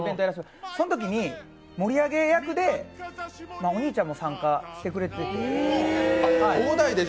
そのときに盛り上げ役で、お兄ちゃんも参加してくれてて。